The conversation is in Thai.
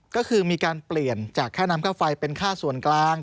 ก็คือมีการเปลี่ยนจากค่าน้ำค่าไฟเป็นค่าส่วนกลาง